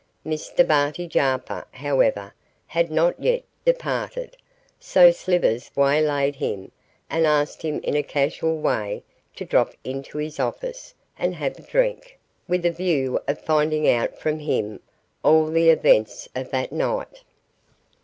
Mr Barty Jarper, however, had not yet departed, so Slivers waylaid him, and asked him in a casual way to drop into his office and have a drink, with a view of finding out from him all the events of that night.